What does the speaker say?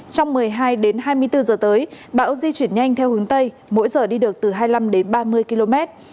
trong một mươi hai đến hai mươi bốn giờ tới bão di chuyển nhanh theo hướng tây mỗi giờ đi được từ hai mươi năm đến ba mươi km